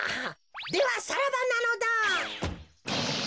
ではさらばなのだ。